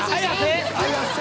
綾瀬！